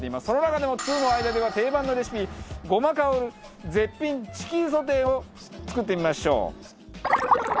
その中でも通の間では定番のレシピ胡麻香る絶品チキンソテーを作ってみましょう。